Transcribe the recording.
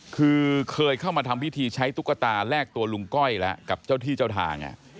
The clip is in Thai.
คือเคยเข้ามาทำพิธีใช้ตุ๊กตาแลกตัวลุงก้อยแล้วกับเจ้าที่เจ้าทาง